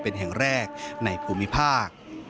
เป็นแห่งแรกในภูมิภาค